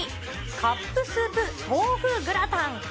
カップスープ豆腐グラタン。